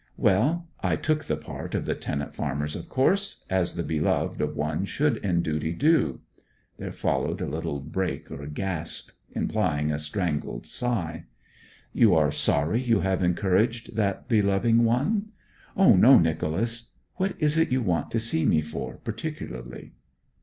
'Well, I took the part of the tenant farmers, of course, as the beloved of one should in duty do.' There followed a little break or gasp, implying a strangled sigh. 'You are sorry you have encouraged that beloving one?' 'O no, Nicholas ... What is it you want to see me for particularly?'